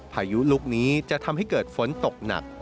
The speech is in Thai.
พายุลูกนี้จะทำให้เกิดฝนตกหนัก